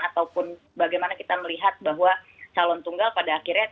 ataupun bagaimana kita melihat bahwa calon tunggal pada akhirnya